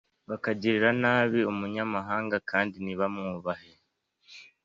bakagirira nabi umunyamahanga kandi ntibanyubahe